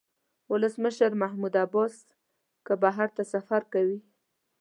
ولسمشر محمود عباس که بهر ته سفر کوي.